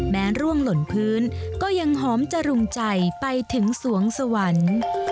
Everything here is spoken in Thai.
ร่วงหล่นพื้นก็ยังหอมจรุงใจไปถึงสวงสวรรค์